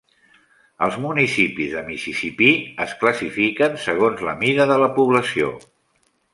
Els municipis de Mississipí es classifiquen segons la mida de la població.